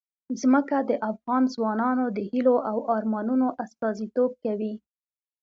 ځمکه د افغان ځوانانو د هیلو او ارمانونو استازیتوب کوي.